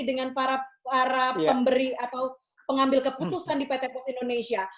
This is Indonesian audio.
dengan para pemberi atau pengambil keputusan di pt pos indonesia